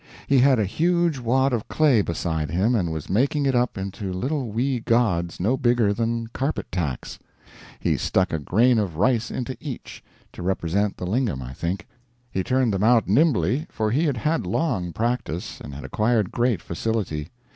He had a huge wad of clay beside him and was making it up into little wee gods no bigger than carpet tacks. He stuck a grain of rice into each to represent the lingam, I think. He turned them out nimbly, for he had had long practice and had acquired great facility.